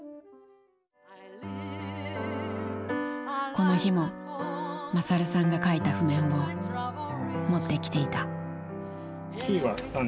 この日も勝さんが書いた譜面を持ってきていた。